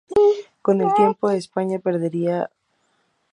Con el tiempo, España perdería ascendencia sobre estos territorios.